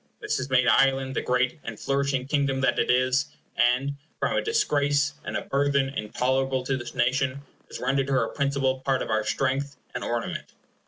This has made Ireland the great and flourishing kingdom that it is, and, from a disgrace and a burthen intolerable to this nation, has rendered her a principal part of our strength and ornament.